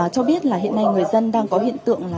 cho biết là hiện nay người dân đang có hiện tượng